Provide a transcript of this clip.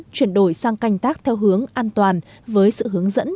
chuyển đổi sang canh tác theo hướng an toàn với sự hướng dẫn